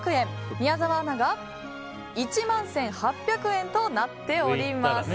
宮澤アナが１万１８００円となっております。